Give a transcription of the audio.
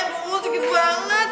aduh cukit banget